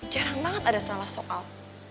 jarang banget ada salah soal